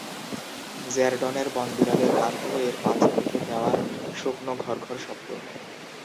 জ্যারডনের বনবিড়ালের গান হল এর পাচ থেকে দেওয়া শুকনো ঘর্ঘর শব্দ।